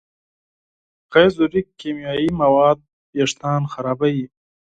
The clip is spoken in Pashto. غیر ضروري کیمیاوي مواد وېښتيان خرابوي.